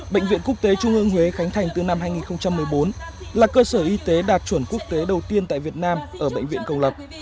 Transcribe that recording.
bệnh viện quốc tế trung ương huế khánh thành từ năm hai nghìn một mươi bốn là cơ sở y tế đạt chuẩn quốc tế đầu tiên tại việt nam ở bệnh viện công lập